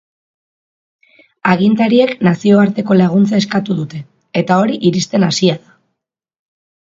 Agintariek nazioarteko laguntza eskatu dute, eta hori iristen hasia da.